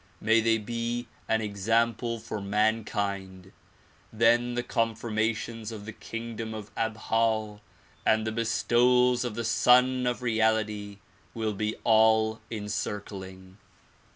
May they be an example for mankind. Then the confirmations of the kingdom of Abha and the bestowals of the Sun of Reality will be all encircling.